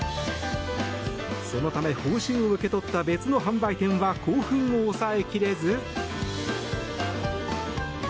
そのため報酬を受け取った別の販売店は興奮を抑え切れず。